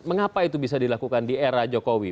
mengapa itu bisa dilakukan di era jokowi